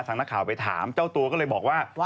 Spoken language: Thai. นักข่าวไปถามเจ้าตัวก็เลยบอกว่า